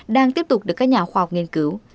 đang tiếp tục được các nhà khoa học nghiên cứu